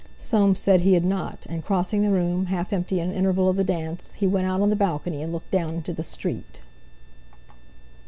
Soames said he had not, and crossing the room, half empty in an interval of the dance, he went out on the balcony, and looked down into the street.